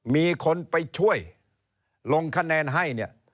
มีคนไปช่วยลงคะแนนให้เนี่ย